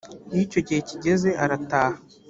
iyo icyo gihe kigeze arataha